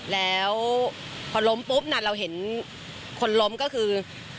แล้วพอล้มปุ๊บเราเห็นคนล้มก็คือ